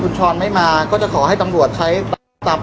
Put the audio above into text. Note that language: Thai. พี่แจงในประเด็นที่เกี่ยวข้องกับความผิดที่ถูกเกาหา